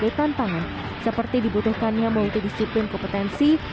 sebagai tantangan seperti dibutuhkannya multidisciplin kompetensi